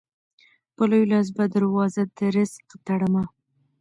په لوی لاس به دروازه د رزق تړمه